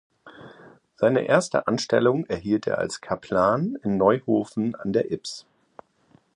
Seine erste Anstellung erhielt er als Kaplan in Neuhofen an der Ybbs.